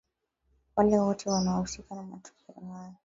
wale wote wanaohusika na matukio hayo